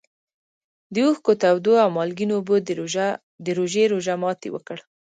د اوښکو تودو او مالګینو اوبو د روژې روژه ماتي وکړ.